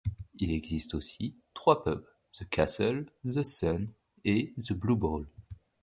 Il existe aussi, trois pubs; The Castle, The Sun, et The Blue Ball.